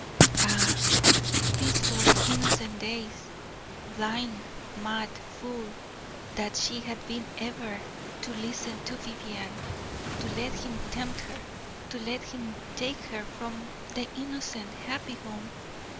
Ah, peaceful, innocent days! Blind, mad fool that she had been ever to listen to Vivianne to let him tempt her to let him take her from the innocent, happy home!